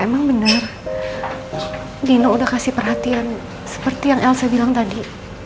emang benar dino udah kasih perhatian seperti yang elsa bilang tadi